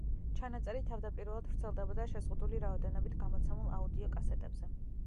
ჩანაწერი თავდაპირველად ვრცელდებოდა შეზღუდული რაოდენობით გამოცემულ აუდიოკასეტებზე.